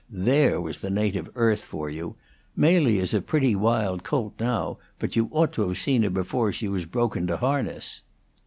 there was the native earth for you. Mely is a pretty wild colt now, but you ought to have seen her before she was broken to harness.